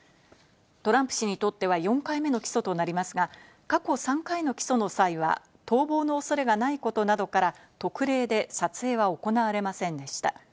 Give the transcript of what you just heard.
トランプ氏にとっては４回目の起訴となりますが、過去３回の起訴の際は逃亡の恐れがないことなどから、特例で撮影は行われませんでした。